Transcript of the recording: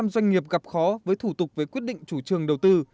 bốn mươi bốn doanh nghiệp gặp khó với thủ tục về quyết định chủ trường đầu tư